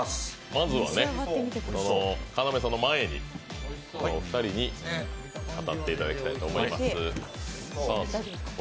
まずは要さんの前にお二人に語っていただきたいと思います。